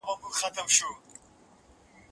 هغه وويل چي نان صحي دی.